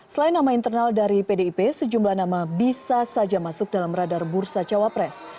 selain nama internal dari pdip sejumlah nama bisa saja masuk dalam radar bursa cawapres